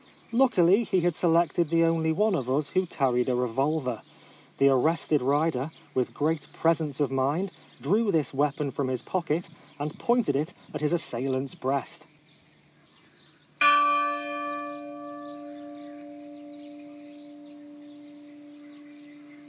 Luckily he had selected the only one of us who carried a revolver. The arrested rider, with great presence of mind, drew this weapon from his pocket, and pointed it at his assailant's breast.